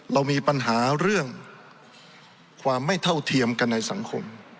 เรามีปัญหาเรื่องความไม่เท่าเทียมกันในสังคม